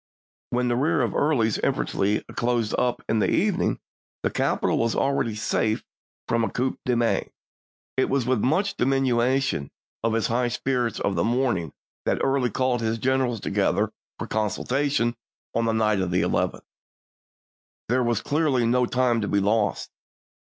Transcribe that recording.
When the rear of Early's infantry closed up in the evening, the capital was already safe from a coup de main. It was with much diminution of his high spirits of the morning that Early called his generals to gether for consultation on the night of the 11th. There was clearly no time to be lost.